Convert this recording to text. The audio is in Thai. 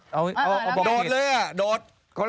โดดเลยโดด